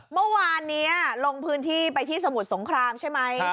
เมื่อวานนี้ลงพื้นที่ไปที่สมุทรสงครามใช่ไหม